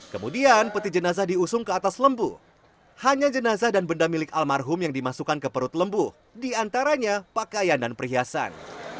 kemudian peti jenazah diusung ke atas lembu hanya jenazah dan benda milik almarhum yang dimasukkan ke perut lembu diantaranya pakaian dan perhiasan